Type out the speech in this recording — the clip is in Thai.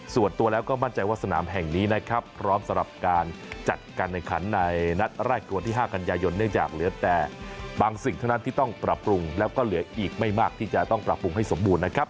ส่วนตัวแล้วก็มั่นใจว่าสนามแห่งนี้นะครับพร้อมสำหรับการจัดการแข่งขันในนัดแรกคือวันที่๕กันยายนเนื่องจากเหลือแต่บางสิ่งเท่านั้นที่ต้องปรับปรุงแล้วก็เหลืออีกไม่มากที่จะต้องปรับปรุงให้สมบูรณ์นะครับ